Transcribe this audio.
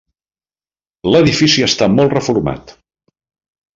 L'edifici està molt reformat.